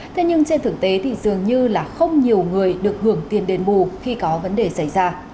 thế nhưng trên thực tế thì dường như là không nhiều người được hưởng tiền đền bù khi có vấn đề xảy ra